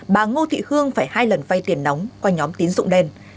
bà ngô thị hương phải hai lần vai tiền nóng qua nhóm tiến dụng đen